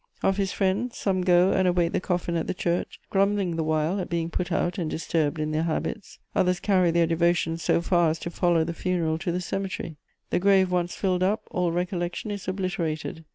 Of his friends, some go and await the coffin at the church, grumbling the while at being put out and disturbed in their habits; others carry their devotion so far as to follow the funeral to the cemetery: the grave once filled up, all recollection is obliterated.